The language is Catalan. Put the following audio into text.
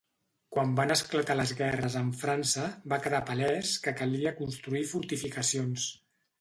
Quan van esclatar les guerres amb França va quedar palès que calia construir fortificacions.